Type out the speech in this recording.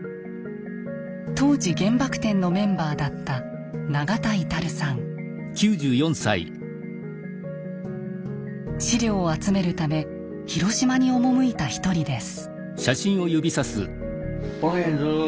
当時原爆展のメンバーだった資料を集めるため広島に赴いた一人です。